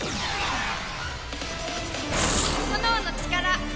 炎の力